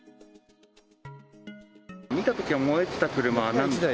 見たときには燃えてた車何台？